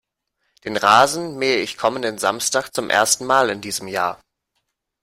Den Rasen mähe ich kommenden Samstag zum ersten Mal in diesem Jahr.